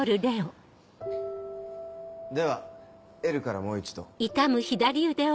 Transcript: ではＬからもう一度。